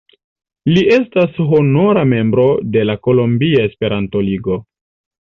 Li estas honora membro de Kolombia Esperanto-Ligo.